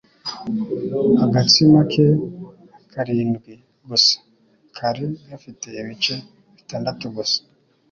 agatsima ke karindwi gusa kari gafite ibice bitandatu gusa.